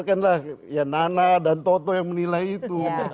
iya nana dan toto yang menilai itu